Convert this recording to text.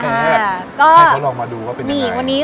ให้เค้าลองมาดูว่าเป็นยังไง